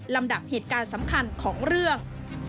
ลำดับเหตุการณ์สำคัญของเรื่อง